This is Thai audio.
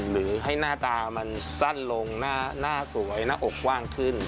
หรือให้หน้าตามันสั้นลงหน้าสวยหน้าอกกว้างขึ้น